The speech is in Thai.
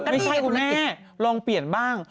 ไม่ใช่คุณแม่ลองเปลี่ยนบ้าง